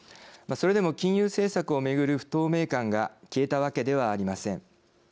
それでも、金融政策をめぐる不透明感が消えたわけではありません。